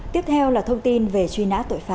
tiếp theo là thông tin về truy nã tội phạm